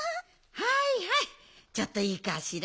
はいはいちょっといいかしら。